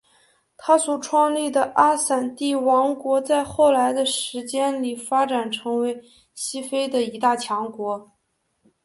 他所创立的阿散蒂王国在后来的时间里发展成为西非的一大强国。